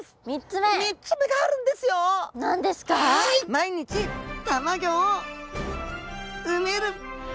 毎日卵を産める！